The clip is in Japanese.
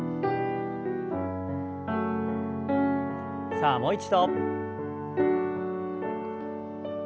さあもう一度。